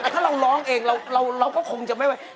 แต่ถ้าเราร้องเองเราก็คงจะไม่ไว้